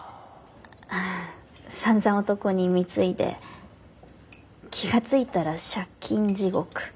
さんざん男に貢いで気が付いたら借金地獄。